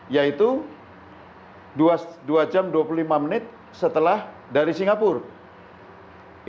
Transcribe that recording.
yaitu dua jam dua puluh lima menit setelah dari singapura